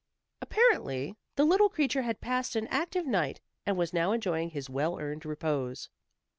Apparently the little creature had passed an active night, and was now enjoying his well earned repose.